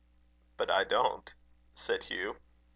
"But I don't," said Hugh.